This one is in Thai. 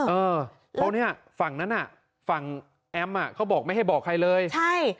เออเพราะเนี้ยฝั่งนั้นน่ะฝั่งแอมอ่ะเขาบอกไม่ให้บอกใครเลยใช่